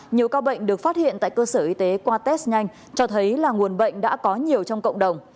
nhiều ca bệnh được phát hiện tại cơ sở y tế qua test nhanh cho thấy là nguồn bệnh đã có nhiều trong cộng đồng